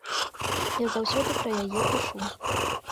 Я заўсёды пра яе пішу.